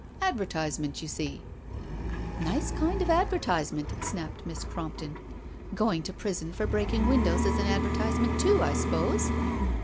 Advertisement, you seel" " Nice kind of advertisement," snapped Miss Cromp ton. " Going to prison for breaking windows is an advertisement too, I suppose?"